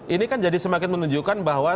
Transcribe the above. ini kan jadi semakin menunjukkan bahwa